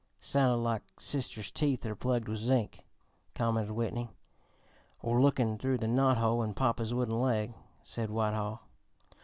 '" "Sounded like 'Sister's Teeth Are Plugged with Zinc,'" commented Whitney. "Or 'Lookin' Through the Knot Hole in Papa's Wooden Leg,'" said Whitehall.